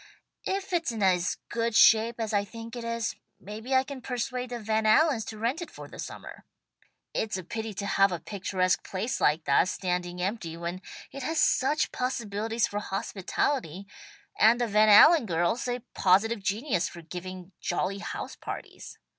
"If it's in as good shape as I think it is, maybe I can persuade the Van Allens to rent it for the summer. It's a pity to have a picturesque place like that standing empty when it has such possibilities for hospitality, and the Van Allen girls a positive genius for giving jolly house parties.